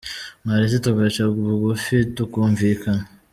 mwaretse tugaca bugufi , tukumvikana ?